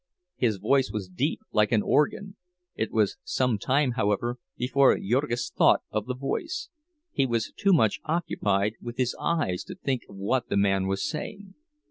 His voice was deep, like an organ; it was some time, however, before Jurgis thought of the voice—he was too much occupied with his eyes to think of what the man was saying.